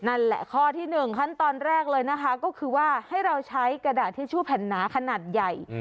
นั่นแหละข้อที่๑ขั้นตอนแรกเลยนะคะก็คือว่าให้เราใช้กระดาษทิชชู่แผ่นหนาขนาดใหญ่